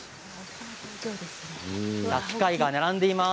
機械が並んでいます。